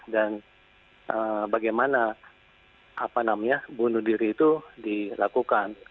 dan bagaimana apa namanya bunuh diri itu dilakukan